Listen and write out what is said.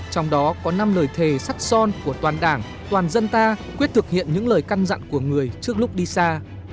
trong đó có năm lời thề sắt son của toàn đảng toàn dân ta quyết thực hiện những lời căn dặn của người trước lúc đi xa